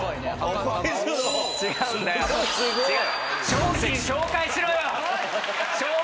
商品紹介しろ！